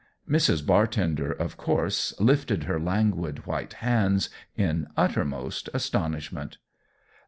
Mrs. Bartender, of course, lifted her languid white hands in uttermost astonishment.